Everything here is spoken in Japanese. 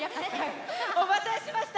おまたせしました